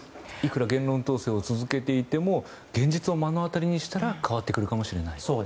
いくら言論統制を続けていても現実を目の当たりにしたら変わってくるかもしれないと。